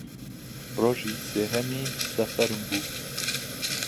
ڕۆژی سێهەمی سەفەرم بوو